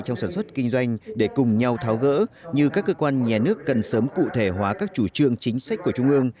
trong sản xuất kinh doanh để cùng nhau tháo gỡ như các cơ quan nhà nước cần sớm cụ thể hóa các chủ trương chính sách của trung ương